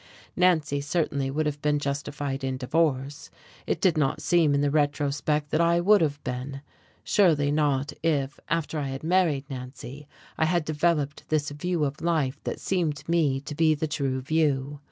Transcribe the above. Nancy certainly would have been justified in divorce. It did not seem in the retrospect that I would have been: surely not if, after I had married Nancy, I had developed this view of life that seemed to me to be the true view.